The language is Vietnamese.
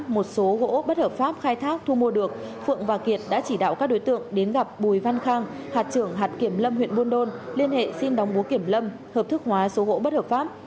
một số gỗ bất hợp pháp khai thác thu mua được phượng và kiệt đã chỉ đạo các đối tượng đến gặp bùi văn khang hạt trưởng hạt kiểm lâm huyện buôn đôn liên hệ xin đóng búa kiểm lâm hợp thức hóa số gỗ bất hợp pháp